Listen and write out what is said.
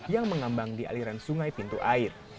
yang mengambang di aliran sungai pintu air